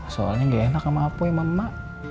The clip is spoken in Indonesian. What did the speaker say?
soalnya gak enak sama apa ya mama